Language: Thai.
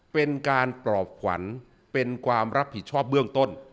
เป็นการปลอบขวัญเป็นความรับผิดชอบเบื้องต้น